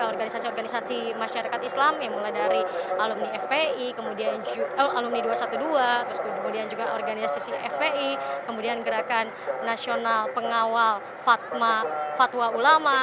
organisasi organisasi masyarakat islam yang mulai dari alumni fpi kemudian alumni dua ratus dua belas terus kemudian juga organisasi fpi kemudian gerakan nasional pengawal fatwa ulama